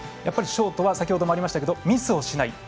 ショートは先ほどもありましたけどミスをしない。